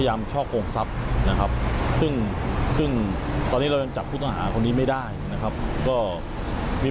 อย่างนี้นี่